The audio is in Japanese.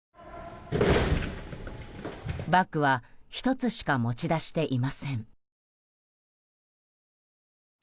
バッグは１つしか持ち出していません。